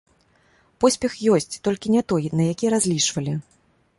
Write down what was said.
Поспех ёсць, толькі не той, на які разлічвалі.